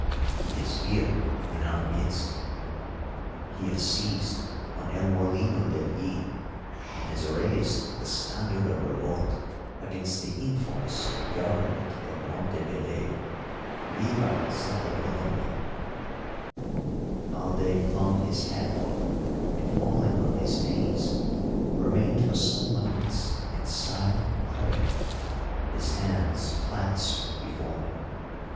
He is here in our midst; he has seized on El Molino del Yí, and has raised the standard of revolt against the infamous government of Montevideo! Viva Santa Colomal!" Alday flung his hat off, and, falling on his knees, remained for some moments in silent prayer, his hands clasped before him.